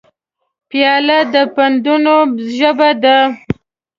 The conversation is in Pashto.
پیاله د پندونو ژبه لري.